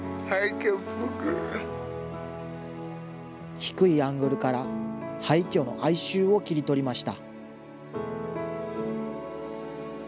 低いアングルから、廃虚の哀愁を切り取りました。